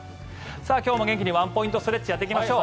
今日も元気にワンポイントストレッチをやっていきましょう。